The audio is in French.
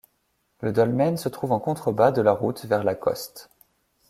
Le dolmen se trouve en contrebas de la route vers Lacoste.